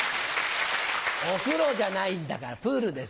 お風呂じゃないんだからプールですから。